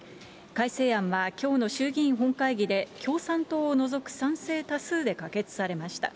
改正案はきょうの衆議院本会議で、共産党を除く賛成多数で可決されました。